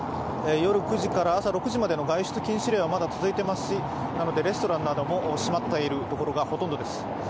夜９時から朝６時までの外出禁止令はまだ続いてますし、なのでレストランなども閉まっているところがほとんどです。